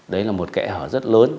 đấy là một kẻ hợp rất lớn